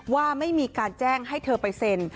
ว่าไม่มีการแจ้งให้เธอไปเซ็น